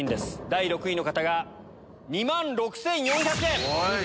第６位の方が２万６４００円！